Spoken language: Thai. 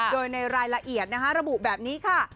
โดยในรายละเอียดนะคะระบุแบบนี้ค่ะ